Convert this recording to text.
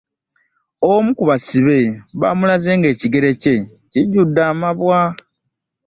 Omu ku basibe baamulaze ng'ekigere kye kijjudde amabwa.